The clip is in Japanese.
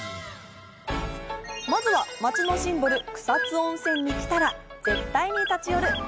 まずは街のシンボル・草津温泉に来たら絶対に立ち寄る